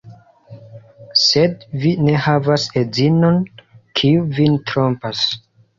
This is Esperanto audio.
Sed vi ne havas edzinon, kiu vin trompas.